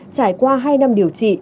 trải qua hai năm điều trị